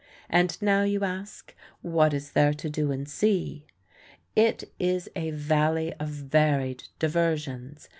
And now you ask: "What is there to do and see?" It is a valley of varied diversions.